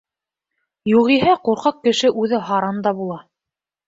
Юғиһә ҡурҡаҡ кеше үҙе һаран да була.